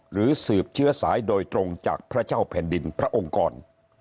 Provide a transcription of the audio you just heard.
หรือสืบเชื้อสายโดยตรงจากพระเจ้าแผ่นดินพระองค์กร